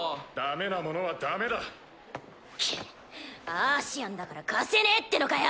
アーシアンだから貸せねぇってのかよ！